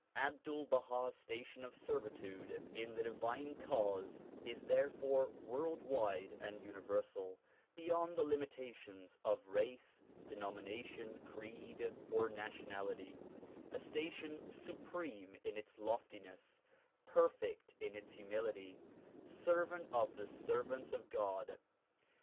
Abdul Baha's station of servitude in the divine cause is there fore world wide and universal, — beyond the limitation of race, denomination, creed or nationality; — a station supreme in its loftiness, perfect in its humility ;— Servant of the servants of God.